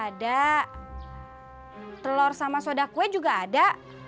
ada telur sama soda kue juga ada